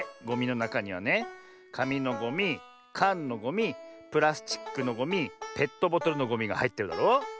ゴミのなかにはねかみのゴミかんのゴミプラスチックのゴミペットボトルのゴミがはいってるだろ。